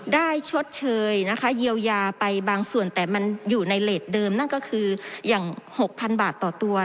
ชดเชยนะคะเยียวยาไปบางส่วนแต่มันอยู่ในเลสเดิมนั่นก็คืออย่าง๖๐๐๐บาทต่อตัว